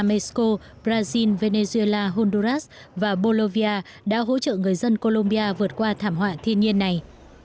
mexico brazil venezuela honduras và bollovia đã hỗ trợ người dân colombia vượt qua thảm họa thiên nhiên này